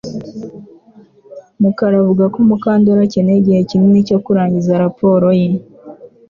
Mukara avuga ko Mukandoli akeneye igihe kinini cyo kurangiza raporo ye